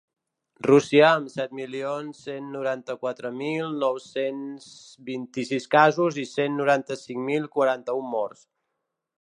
Rússia, amb set milions cent noranta-quatre mil nou-cents vint-i-sis casos i cent noranta-cinc mil quaranta-un morts.